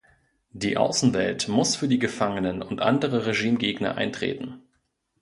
Die Außenwelt muss für die Gefangenen und andere Regimegegner eintreten.